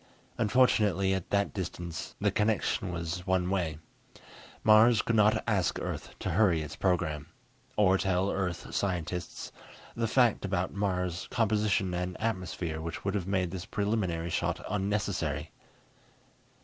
Unfortunately, at that distance, the connection was one way. Mars could not ask Earth to hurry its program. Or tell Earth scientists the facts about Mars' composition and atmosphere which would have made this preliminary shot unnecessary.